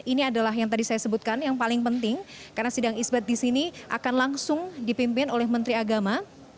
ini adalah yang tadi saya sebutkan yang paling penting karena sidang isbat di sini akan langsung dipimpin oleh menteri agama